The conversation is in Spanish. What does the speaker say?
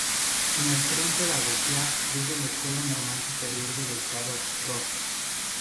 Su Maestría en Pedagogía es de la Escuela Normal Superior del Estado “Profr.